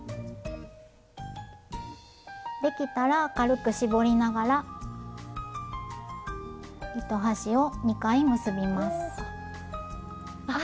できたら軽く絞りながら糸端を２回結びます。